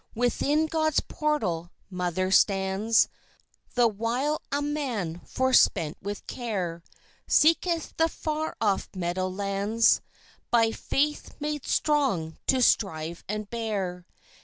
Within God's portal Mother stands, The while a man forspent with care Seeketh the far off meadow lands, By faith made strong to strive and bear.